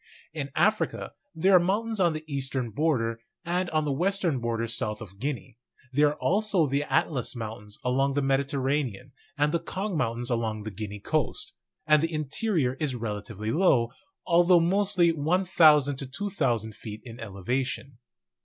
In Africa there are mountains on the eastern border, and on the western border south of Guinea; there are also the Atlas Mountains along the Mediterranean, and the Kong Mountains along the Guinea coast; and the interior is relatively low, although mostly 1,000 to 2,000 feet in elevation.